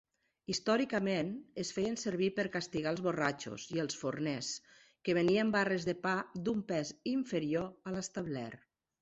Històricament, es feien servir per castigar els borratxos i els forners que venien barres de pa d'un pes inferior a l'establert.